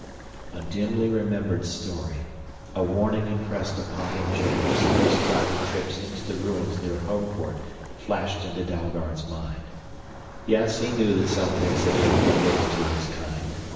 A dimly remembered story, a warning impressed upon him during his first guided trips into the ruins near Homeport flashed into Dalgard's mind. Yes, he knew that some things had been forbidden to his kind.